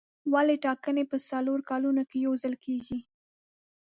ولې ټاکنې په څلورو کلونو کې یو ځل کېږي.